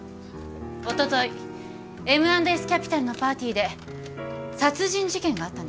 おとといＭ＆Ｓキャピタルのパーティーで殺人事件があったんです。